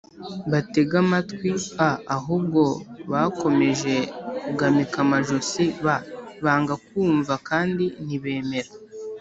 batege amatwi a ahubwo bakomeje kugamika amajosi b banga kumva kandi ntibemera